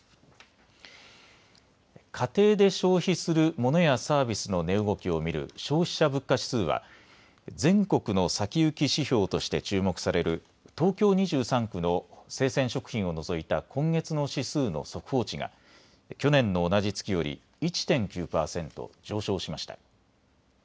家庭で消費するモノやサービスの値動きを見る消費者物価指数は全国の先行指標として注目される東京２３区の生鮮食品を除いた今月の指数の速報値が去年の同じ月より１．９％上昇しました。